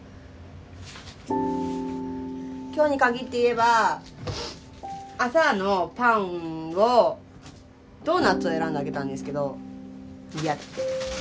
今日に限って言えば朝のパンをドーナツを選んであげたんですけど嫌だって。